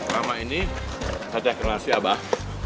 lama ini teteh kenal si abah